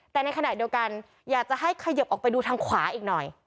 แต่ในขณะเดียวกันอยากจะให้ขยิบออกไปดูทางขวาอีกหน่อย